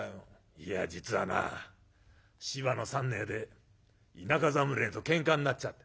『いや実はな芝の山内で田舎侍とけんかになっちゃって』。